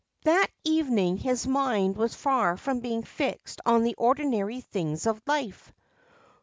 That evening his mind was far from being fixed on the ordinary things of life.